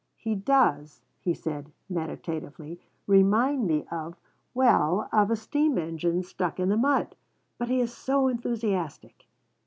'He does,' he said meditatively, 'remind me of, well, of a steam engine stuck in the mud. But he is so enthusiastic!'